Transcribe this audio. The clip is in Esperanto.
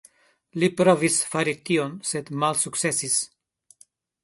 Li provis fari tion sed malsukcesis.